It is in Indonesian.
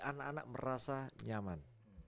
anak anak merasa nyaman